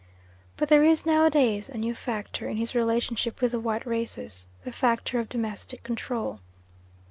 But there is nowadays a new factor in his relationship with the white races the factor of domestic control.